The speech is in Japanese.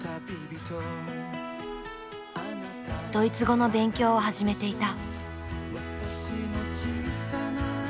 ドイツ語の勉強を始めていた。